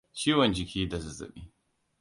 ciwon jiki da zazzabi